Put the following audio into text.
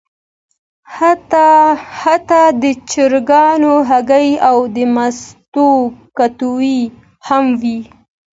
حتی د چرګو هګۍ او د مستو کټوۍ هم وې.